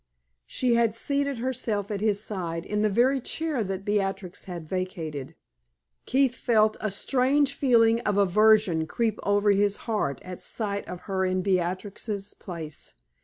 She had seated herself at his side, in the very chair that Beatrix had vacated. Keith felt a strange feeling of aversion creep over his heart at sight of her in Beatrix's place.